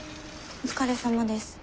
お疲れさまです。